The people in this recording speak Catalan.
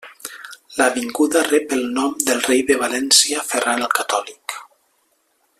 L'avinguda rep el nom del rei de València Ferran el Catòlic.